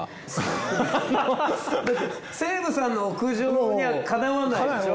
西武さんの屋上にはかなわないでしょ？